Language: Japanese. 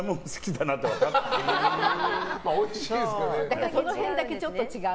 だから、その辺だけちょっと違う。